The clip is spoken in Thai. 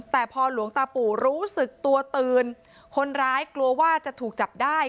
แต่พอหลวงตาปู่รู้สึกตัวตื่นคนร้ายกลัวว่าจะถูกจับได้